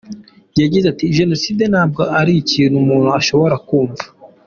Yagize ati “Jenoside ntabwo ari ikintu umuntu ashobora kumva.